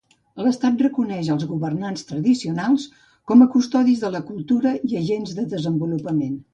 L'estat reconeix als governants tradicionals com a custodis de la cultura i agents de desenvolupament.